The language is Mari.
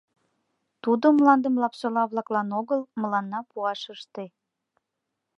Тудо мландым Лапсола-влаклан огыл, мыланна пуаш ыште.